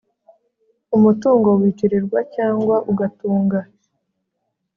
umutungo witirirwa cyangwa ugatunga